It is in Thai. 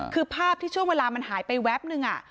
คือภาพที่ช่วงเวลามันหายไปแวบนึง